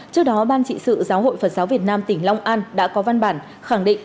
trước đó ban trị sự giáo hội phật giáo việt nam tỉnh long an đã có văn bản khẳng định